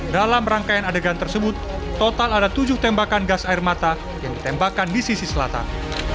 dalam rangkaian adegan tersebut total ada tujuh tembakan gas air mata yang ditembakkan di sisi selatan